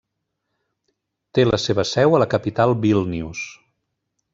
Té la seva seu a la capital Vílnius.